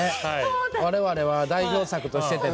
我々は代表作としていて。